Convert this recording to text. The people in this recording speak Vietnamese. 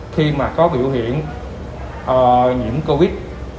khi mà có biểu hiện nhiễm covid